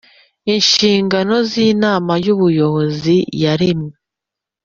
Inshingano z inama y ubuyobozi ya rema